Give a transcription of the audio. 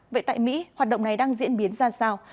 vậy tại mỹ hoạt động này đang diễn biến ra sao